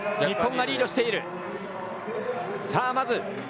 日本がリードしている。